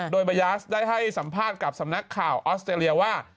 โดยบายาสได้ให้สัมภาษณ์กับสำนักข่าวออสเตรเลียว่า